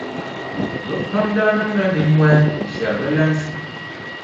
Bɛ pam daa niŋla nimmɔhi n-shɛri bɛ lansi.